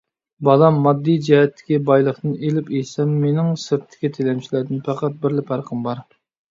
بالام، ماددىي جەھەتتىكى بايلىقتىن ئېلىپ ئېيتسام، مېنىڭ سىرتتىكى تىلەمچىلەردىن پەقەت بىرلا پەرقىم بار.